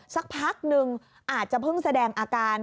สักพักนึงอาจจะเพิ่งแสดงอาการ